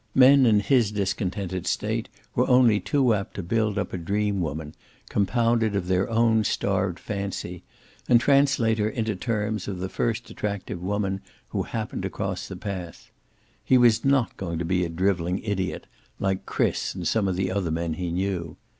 Men in his discontented state were only too apt to build up a dream woman, compounded of their own starved fancy, and translate her into terms of the first attractive woman who happened to cross the path. He was not going to be a driveling idiot, like Chris and some of the other men he knew.